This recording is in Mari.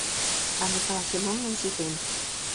А Микал Семонлан ситен.